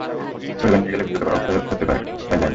পরিবার নিয়ে গেলে বিব্রতকর অবস্থায় পড়তে হতে পারে, তাই যাই না।